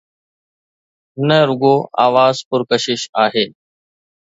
نه رڳو آواز پرڪشش آهي.